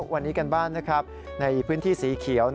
วันนี้กันบ้างในพื้นที่สีเขียว